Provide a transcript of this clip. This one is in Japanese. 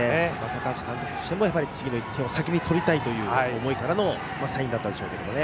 高橋監督としても次の１点を先にとりたいという思いからのサインだったんでしょうけどね。